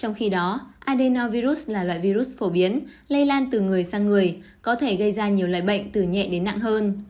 trong khi đó adenovirus là loại virus phổ biến lây lan từ người sang người có thể gây ra nhiều loại bệnh từ nhẹ đến nặng hơn